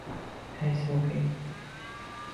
হেই, smoky.